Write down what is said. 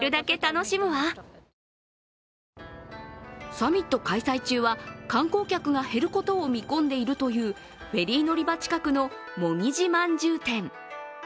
サミット開催中は観光客が減ることを見込んでいるというフェリー乗り場近くのもみじ饅頭店。